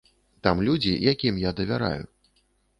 Там людзі, якім я давяраю.